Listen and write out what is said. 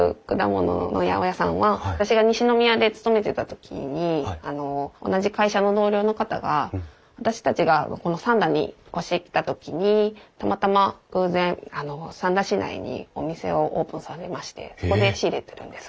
私が西宮で勤めてた時に同じ会社の同僚の方が私たちがこの三田に越してきた時にたまたま偶然三田市内にお店をオープンさせましてそこで仕入れてるんです。